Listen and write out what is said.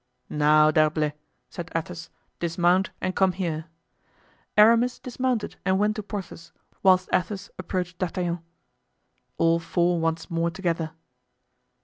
"Now, D'Herblay," said Athos, "dismount and come here." Aramis dismounted and went to Porthos, whilst Athos approached D'Artagnan. All four once more together.